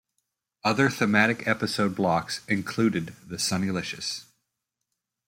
Other thematic episode blocks included the Sonnylicious!